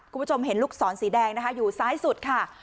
คุณผู้ชมเห็นลูกศรสีแดงนะคะอยู่ซ้ายสุดค่ะ